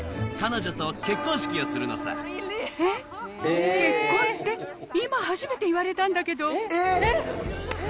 えっ、結婚って今初めて言われたんだけど。